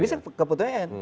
bisa ke pt un